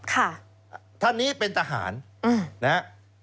ท่านนี้เป็นทหารนะฮะ